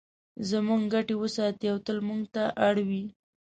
زموږ ګټې وساتي او تل موږ ته اړ وي.